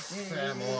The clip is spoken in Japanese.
もう。